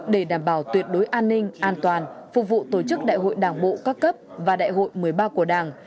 để đảm bảo tuyệt đối an ninh an toàn phục vụ tổ chức đại hội đảng bộ các cấp và đại hội một mươi ba của đảng